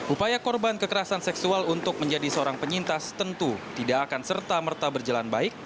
upaya korban kekerasan seksual untuk menjadi seorang penyintas tentu tidak akan serta merta berjalan baik